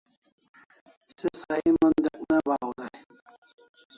Se sahi mon dek ne bahaw day